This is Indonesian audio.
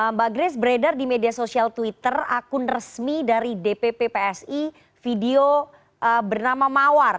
mbak grace beredar di media sosial twitter akun resmi dari dpp psi video bernama mawar